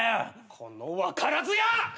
この分からず屋！